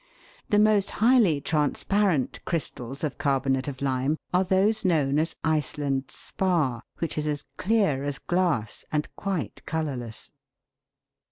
The most highly transparent crystals of carbonate of lime are those known as Iceland spar, which is as clear as glass and quite colourless.